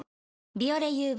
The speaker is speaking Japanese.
「ビオレＵＶ」